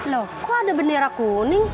loh kok ada bendera kuning